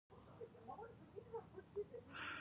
ازادي راډیو د سیاست د تحول لړۍ تعقیب کړې.